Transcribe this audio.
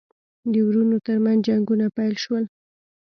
د وروڼو ترمنځ جنګونه پیل شول.